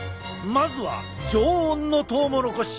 まずは常温のトウモロコシ。